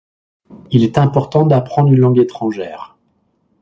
Il est important d'apprendre une langue étrangère.